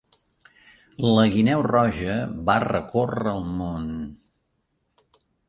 La guineu roja va recórrer el món.